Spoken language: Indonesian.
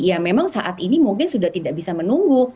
ya memang saat ini mungkin sudah tidak bisa menunggu